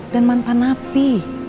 dan mantan api